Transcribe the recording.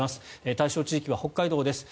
対象地域は北海道です。